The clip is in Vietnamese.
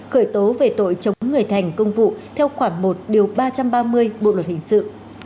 khởi tố về tội chống người thành công vụ theo khoảng một điều ba trăm ba mươi bộ luật hình sự